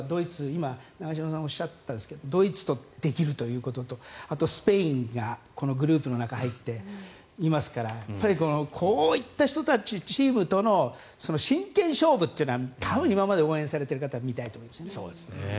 今、長嶋さんがおっしゃったドイツとできるということとあと、スペインがこのグループの中に入っていますからこういった人たちチームとの真剣勝負というのは多分、今まで応援されている方は見たいと思います。